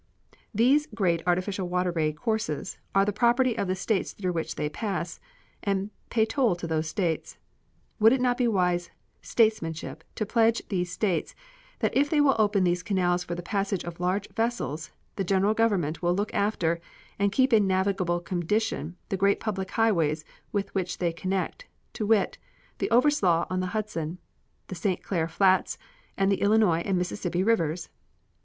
These great artificial water courses are the property of the States through which they pass, and pay toll to those States. Would it not be wise statesmanship to pledge these States that if they will open these canals for the passage of large vessels the General Government will look after and keep in navigable condition the great public highways with which they connect, to wit, the Overslaugh on the Hudson, the St. Clair Flats, and the Illinois and Mississippi rivers?